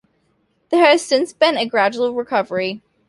There has since been a gradual recovery.